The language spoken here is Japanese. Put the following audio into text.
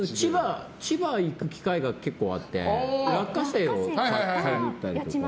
千葉に行く機会が結構あって落花生を買いに行ったりとか。